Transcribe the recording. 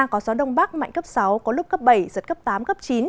có gió đông bắc mạnh cấp sáu có lúc cấp bảy giật cấp tám cấp chín